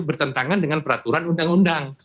bertentangan dengan peraturan undang undang